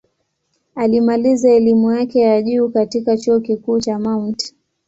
Alimaliza elimu yake ya juu katika Chuo Kikuu cha Mt.